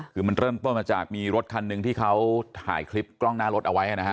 คือมันเริ่มต้นมาจากมีรถคันหนึ่งที่เขาถ่ายคลิปกล้องหน้ารถเอาไว้นะฮะ